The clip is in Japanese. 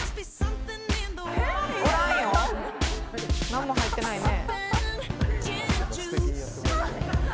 何も入ってないね。